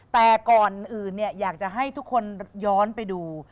แต่ก่อนอื่นอยากจะให้ทุกคนย้อนไปดู